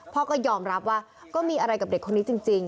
พ่อก็ยอมรับว่าก็มีอะไรกับเด็กคนนี้จริง